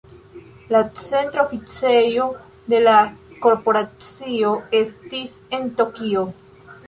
La centra oficejo de la korporacio estis en Tokio.